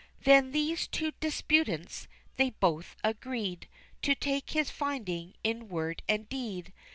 Then these two disputants, they both agreed To take his finding in word and deed.